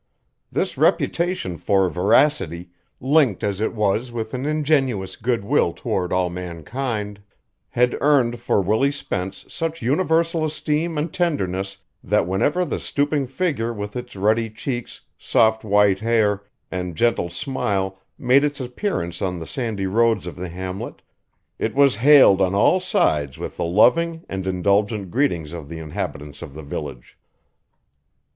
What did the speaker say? This reputation for veracity, linked as it was with an ingenuous good will toward all mankind, had earned for Willie Spence such universal esteem and tenderness that whenever the stooping figure with its ruddy cheeks, soft white hair, and gentle smile made its appearance on the sandy roads of the hamlet, it was hailed on all sides with the loving and indulgent greetings of the inhabitants of the village.